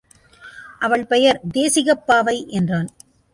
அவள் பெயர் தேசிகப் பாவை என்றான்.